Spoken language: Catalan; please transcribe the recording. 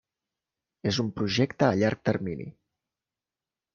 És un projecte a llarg termini.